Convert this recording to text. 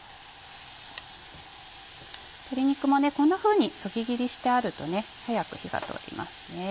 鶏肉もこんなふうにそぎ切りしてあると早く火が通ります。